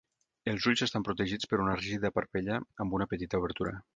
Els ulls estan protegits per una rígida parpella amb una petita obertura.